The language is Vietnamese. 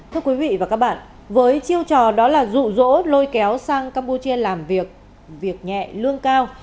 thưa quý vị và các bạn với chiêu trò đó là rụ rỗ lôi kéo sang campuchia làm việc việc nhẹ lương cao